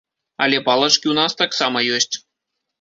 Але палачкі ў нас таксама ёсць.